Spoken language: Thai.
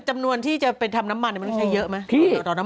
จำนวนที่จะไปทำน้ำมันมันต้องใช้เยอะไหม